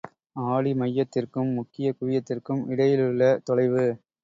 ஆடி மையத்திற்கும் முக்கிய குவியத்திற்கும் இடையிலுள்ள தொலைவு.